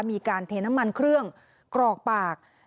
มีการเทน้ำมันเครื่องกรอกปาก